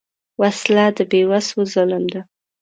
وسله د بېوسو ظلم ده